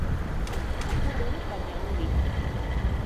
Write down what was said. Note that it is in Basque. Urri, baina ongi.